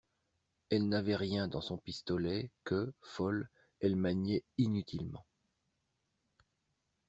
Elle n'avait rien dans son pistolet que, folle, elle maniait inutilement.